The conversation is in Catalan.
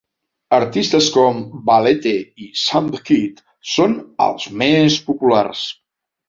Artistes com Valete i Sam the Kid són els més populars.